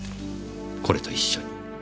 これと一緒に。